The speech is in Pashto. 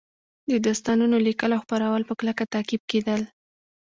د داستانونو لیکل او خپرول په کلکه تعقیب کېدل